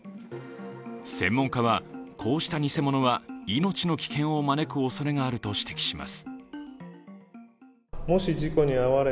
専門家はこうした偽物は命の危険を招くおそれがあると指摘します。